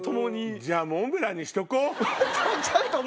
いいよモンブランにしとこう。